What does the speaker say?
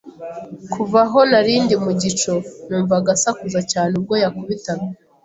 Kuva aho nari ndi mu gico, numvaga asakuza cyane ubwo yakubitaga.